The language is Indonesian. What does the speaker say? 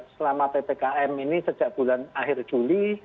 selama ppkm ini sejak bulan akhir juli